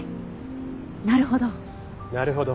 なるほど。